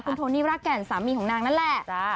คุณโทนี่รากแก่นสามีของนางนั่นแหละ